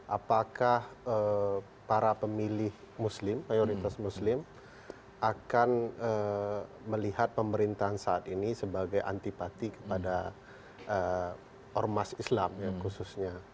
apakah para pemilih muslim mayoritas muslim akan melihat pemerintahan saat ini sebagai antipati kepada ormas islam ya khususnya